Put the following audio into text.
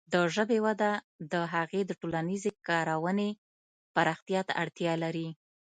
د ژبې وده د هغې د ټولنیزې کارونې پراختیا ته اړتیا لري.